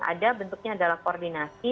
ada bentuknya adalah koordinasi